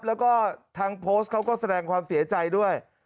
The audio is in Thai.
แล้วก็ทางโพสต์เขาก็แสดงความเสียใจด้วย